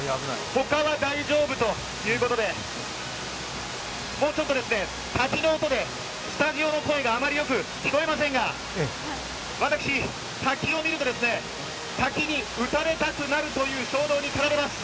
他は大丈夫ということで、滝の音でスタジオの声があまりよく聞こえませんが、私、滝を見ると、滝に打たれたくなる衝動に駆られます。